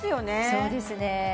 そうですね